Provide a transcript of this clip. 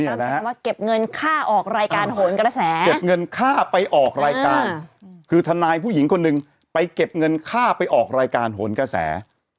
ใช้คำว่าเก็บเงินค่าออกรายการโหนกระแสเก็บเงินค่าไปออกรายการคือทนายผู้หญิงคนหนึ่งไปเก็บเงินค่าไปออกรายการโหนกระแส